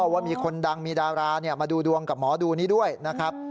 ว่ามีคนดังมีดารามาดูดวงกับหมอดูนี้ด้วยนะครับ